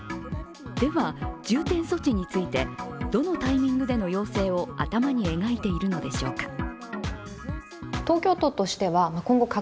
では重点措置についてどのタイミングでの要請を頭に描いているのでしょうか。